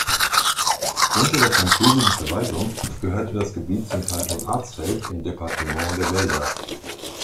Unter der französischen Verwaltung gehörte das Gebiet zum Kanton Arzfeld, im Departement der Wälder.